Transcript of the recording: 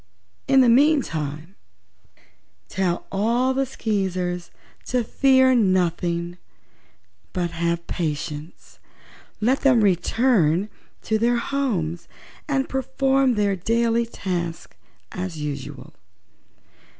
In the meantime tell all the Skeezers to fear nothing, but have patience. Let them return to their homes and perform their daily tasks as usual.